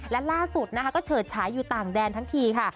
และล่าสุดนะคะก็เฉิดฉายอยู่ต่างแดนทั้งทีค่ะ